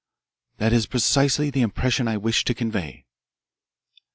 "That is precisely the impression which I wished to convey."